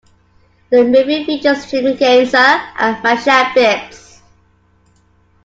The movie features Jim Ganzer and Michelle Phillips.